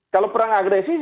kalau perang agresi